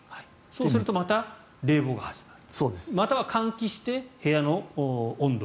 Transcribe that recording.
そうすると冷房が始まる。